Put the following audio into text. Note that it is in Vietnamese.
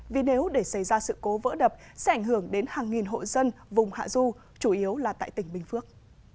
vì nếu để xảy ra sự cố vỡ đập sẽ ảnh hưởng đến hàng nghìn hộ dân vùng hạ du chủ yếu là tại tỉnh bình phước